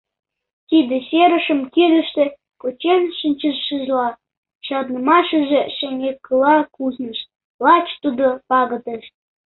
Тиде серышым кидыште кучен шинчышыжла, шарнымашыже шеҥгекыла кусныш — лач тудо пагытыш.